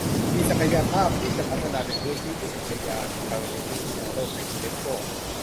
มีศักยภาพที่จะพัฒนาเป็นพื้นที่อุทยานธรณีวิทยาโลกจากยูเนสโก